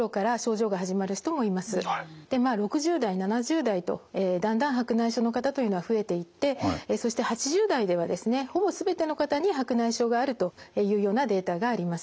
まあ６０代７０代とだんだん白内障の方というのは増えていってそして８０代ではですねほぼ全ての方に白内障があるというようなデータがあります。